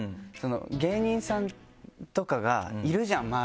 「芸人さんとかがいるじゃん周りには」。